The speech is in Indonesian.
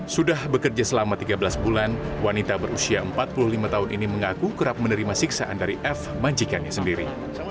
sudah bekerja selama tiga belas bulan wanita berusia empat puluh lima tahun ini mengaku kerap menerima siksaan dari f majikannya sendiri